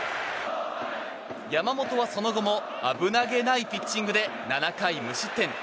山本は、その後も危なげないピッチングで７回無失点。